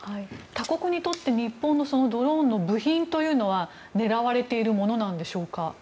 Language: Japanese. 他国にとって日本のドローンの部品というのは狙われているものなんでしょうか。